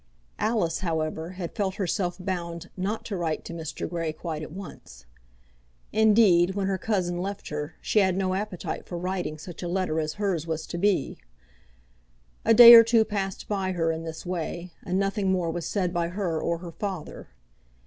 Alice, however, had felt herself bound not to write to Mr. Grey quite at once. Indeed, when her cousin left her she had no appetite for writing such a letter as hers was to be. A day or two passed by her in this way, and nothing more was said by her or her father.